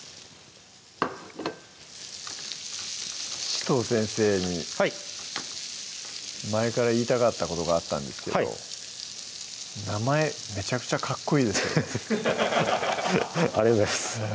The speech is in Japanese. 紫藤先生にはい前から言いたかったことがあったんですけど名前めちゃくちゃかっこいいですよねありがとうございます